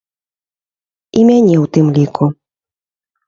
І мяне ў тым ліку.